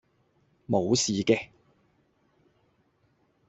無事嘅